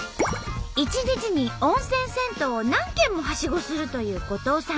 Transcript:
一日に温泉銭湯を何軒もはしごするという後藤さん。